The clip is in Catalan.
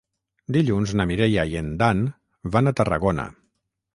Dilluns na Mireia i en Dan van a Tarragona.